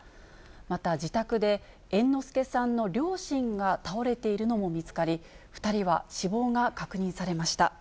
また、自宅で猿之助さんの両親が倒れているのも見つかり、２人は死亡が確認されました。